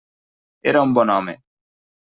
Era un bon home.